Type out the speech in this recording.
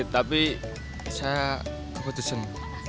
tapi saya keputusan